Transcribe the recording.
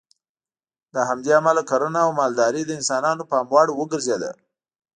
له همدې امله کرنه او مالداري د انسانانو پام وړ وګرځېده.